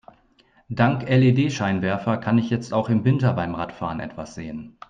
Dank LED-Scheinwerfer kann ich jetzt auch im Winter beim Radfahren etwas sehen.